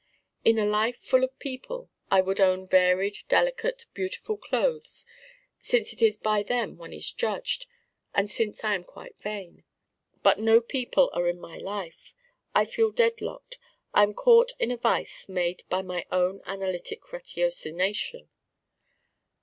In a life full of people I would own varied delicate beautiful clothes since it is by them one is judged, and since I am quite vain. But no people are in my life. I feel deadlocked. I am caught in a vise made by my own analytic ratiocination.